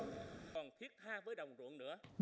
còn thiết tha với đồng độn nữa